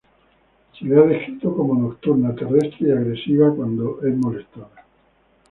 Se le ha descrito como nocturna, terrestre, y agresiva cuando es molestada.